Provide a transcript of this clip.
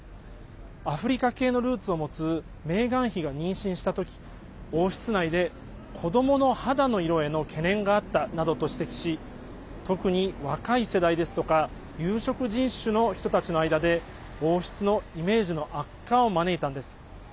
アフリカ系のルーツを持つメーガン妃が妊娠した時王室内で、子どもの肌の色への懸念があったなどと指摘し特に若い世代ですとか有色人種の人たちの間で王室のイメージの悪化を招いたんです。